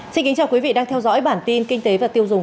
xin kính chào quý vị đang theo dõi bản tin kinh tế và tiêu dùng